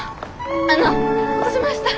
あの落としました。